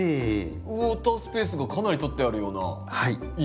ウォータースペースがかなり取ってあるような印象なんですけど。